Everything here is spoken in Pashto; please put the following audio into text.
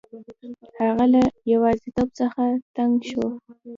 هغه له یوازیتوب څخه تنګ شو.